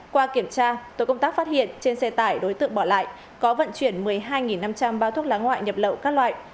qua kiểm tra tổ công tác phát hiện trên xe tải đối tượng bỏ lại có vận chuyển một mươi hai năm trăm linh bao thuốc lá ngoại nhập lậu các loại